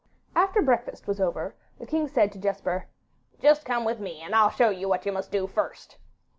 After breakfast was over, the king said to Jesper, 'Just come with me, and I'll show you what you must do first.